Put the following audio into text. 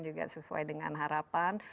juga sesuai dengan harapan